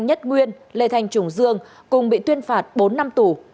nhất nguyên lê thanh trùng dương cùng bị tuyên phạt bốn năm tù